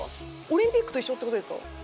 オリンピックと一緒って事ですか？